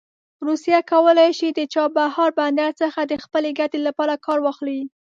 روسیه کولی شي د چابهار بندر څخه د خپلې ګټې لپاره کار واخلي.